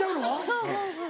そうそうそう。